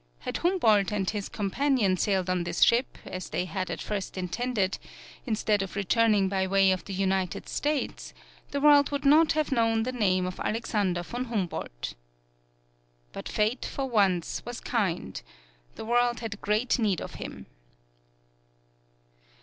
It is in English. Had Humboldt and his companion sailed on this ship, as they had at first intended, instead of returning by way of the United States, the world would not have known the name of Alexander von Humboldt. But Fate for once was kind the world had great need of him.